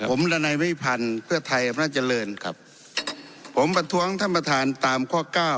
ผมละนายวิพันธ์เพื่อไทยอำนาจเจริญครับผมประท้วงท่านประธานตามข้อเก้า